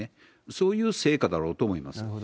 そういう成果だろうと思います。